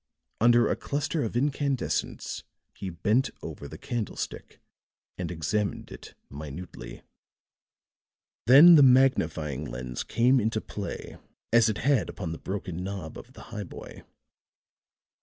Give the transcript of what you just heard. Under a cluster of incandescents he bent over the candlestick and examined it minutely; then the magnifying lens came into play as it had upon the broken knob of the highboy.